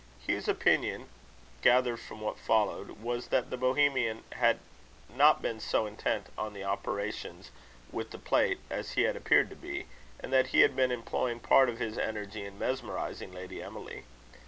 Hugh's opinion, gathered from what followed, was, that the Bohemian had not been so intent on the operations with the plate, as he had appeared to be; and that he had been employing part of his energy in mesmerising Lady Emily.